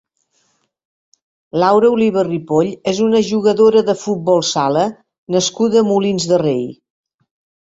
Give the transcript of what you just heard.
Laura Oliva Ripoll és una jugadora de futbol sala nascuda a Molins de Rei.